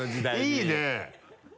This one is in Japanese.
いいね